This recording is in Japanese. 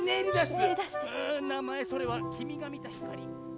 うぅなまえそれはきみがみたひかり。